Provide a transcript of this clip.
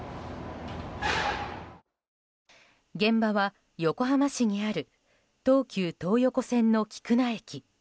現場は横浜市にある東急東横線の菊名駅。